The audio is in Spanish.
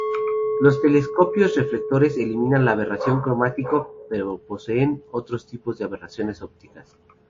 Los telescopios reflectores eliminan la aberración cromática pero poseen otros tipos de aberraciones ópticas.